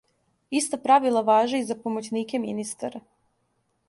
Иста правила важе и за помоћнике министара.